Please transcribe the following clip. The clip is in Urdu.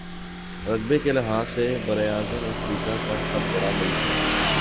رقبے کے لحاظ سے براعظم افریقہ کا سب بڑا ملک ہے